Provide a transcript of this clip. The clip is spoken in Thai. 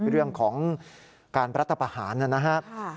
เรื่องของการรัฐประหารนะครับ